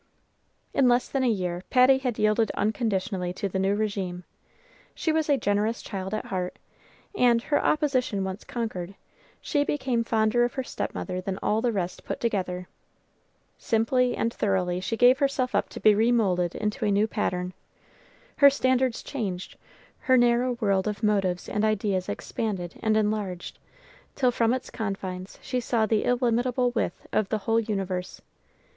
In less than a year Patty had yielded unconditionally to the new régime. She was a generous child at heart, and, her opposition once conquered, she became fonder of her stepmother than all the rest put together. Simply and thoroughly she gave herself up to be re moulded into a new pattern. Her standards changed; her narrow world of motives and ideas expanded and enlarged, till from its confines she saw the illimitable width of the whole universe.